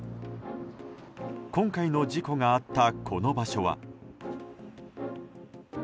今回の事故があったこの場所は。